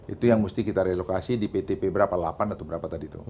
itu yang mesti kita relokasi di ptp berapa delapan atau berapa tadi tuh